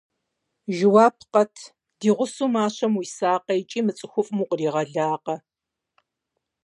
Жэуап къэт: ди гъусэу мащэм уисакъэ икӀи мы цӀыхуфӀым укъригъэлакъэ?